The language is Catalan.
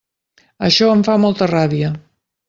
Això em fa molta ràbia.